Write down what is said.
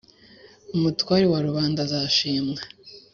umutware wa rubanda azashimwa